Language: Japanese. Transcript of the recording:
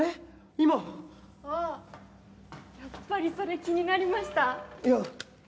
今ああ、やっぱりそれ気になりました？